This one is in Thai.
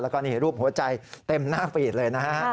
แล้วก็นี่รูปหัวใจเต็มหน้าฟีดเลยนะฮะ